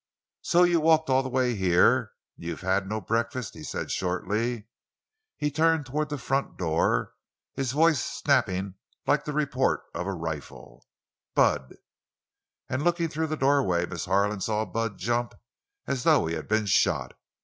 "So you walked all the way here, and you have had no breakfast," he said, shortly. He turned toward the front door, his voice snapping like the report of a rifle: "Bud!" And, looking through the doorway, Miss Harlan saw Bud jump as though he had been shot.